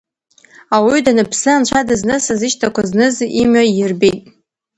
Ауаҩы даныԥсы, Анцәа дызнысыз, ишьҭақәа зныз имҩа иирбеит.